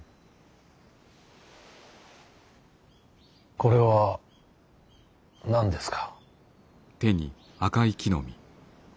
これは何ですか。